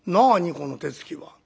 この手つきは」。